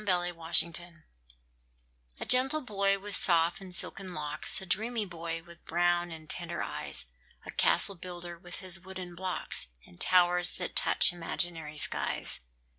THE CASTLE BUILDER A gentle boy, with soft and silken locks A dreamy boy, with brown and tender eyes, A castle builder, with his wooden blocks, And towers that touch imaginary skies.